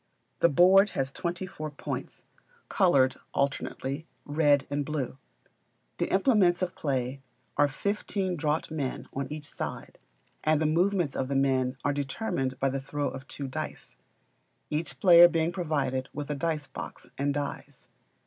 The board has twenty four points, coloured alternately red and blue; the implements of play are fifteen draught men on each side, and the movements of the men are determined by the throw of two dice; each player being provided with a dice box and dies.